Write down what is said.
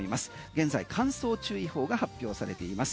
現在乾燥注意報が発表されています。